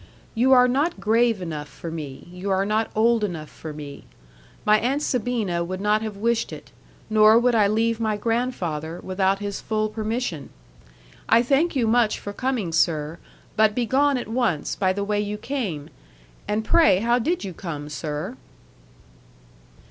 "You are not grave enough for me, you are not old enough for me. My Aunt Sabina would not have wished it; nor would I leave my grandfather, without his full permission. I thank you much for coming, sir; but be gone at once by the way you came; and pray how did you come, sir?"